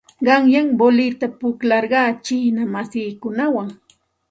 Qanyan voleyta awasarqaa chiina masiikunawan.